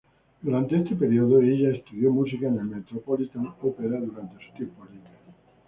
Durante ese período, ella estudió música en el Metropolitan Opera durante su tiempo libre.